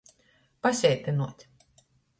Paseitynuot.